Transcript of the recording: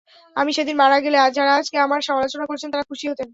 আমি সেদিন মারা গেলে, যাঁরা আজকে আমার সমালোচনা করছেন তাঁরা খুশি হতেন।